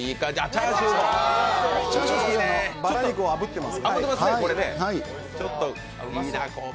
チャーシュー、ちょっとあぶってます。